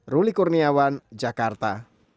ruli kurniawan jakarta